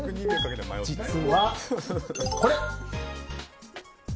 実は、これ。